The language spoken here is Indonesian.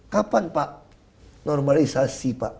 kapan pak normalisasi pak